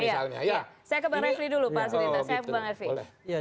saya ke bang refli dulu